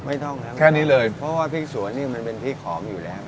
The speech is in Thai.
ไม่ต้องครับแค่นี้เลยเพราะว่าพริกสวนนี่มันเป็นพริกขอมอยู่แล้ว